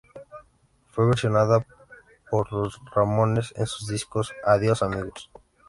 Fue versionada por los Ramones en sus discos "¡Adiós Amigos!